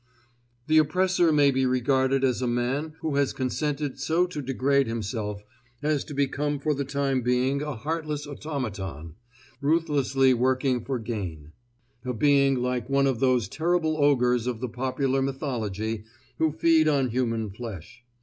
The oppressor may be regarded as a man who has consented so to degrade himself as to become for the time being a heartless automaton, ruthlessly working for gain, a being like one of those terrible ogres of the popular mythology who feed on human flesh.